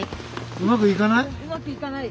うまくいかない。